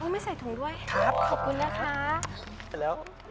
ไม่ใส่ถุงด้วยขอบคุณนะค่ะ